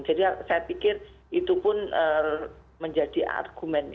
jadi saya pikir itu pun menjadi argumen